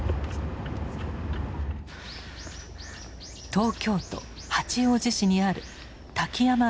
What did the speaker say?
東京都八王子市にある滝山病院です。